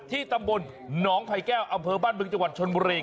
ตำบลหนองไผ่แก้วอำเภอบ้านบึงจังหวัดชนบุรี